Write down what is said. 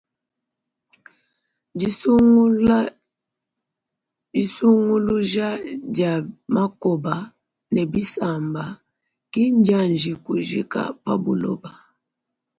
Disunguluja dia makoba ne dia bisamba kindianji kujika pa buloba.